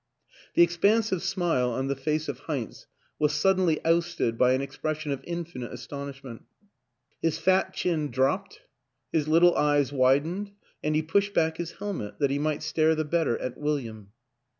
The expansive smile on the face of Heinz was suddenly ousted by an expression of infinite aston ishment. His fat chin dropped, his little eyes widened, and he pushed back his helmet, that he might stare the better at William.